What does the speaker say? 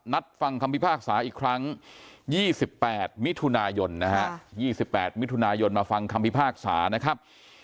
นัดฟังคำพิพากษาอีกครั้ง๒๘มิถุนายนมาฟังคำพิพากษานะครับ